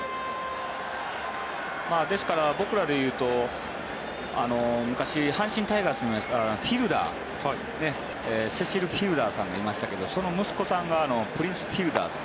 ですから、僕らで言うと昔、阪神タイガースにいたフィルダーフィルダー選手がいましたがその息子さんがプリンス・フィルダー。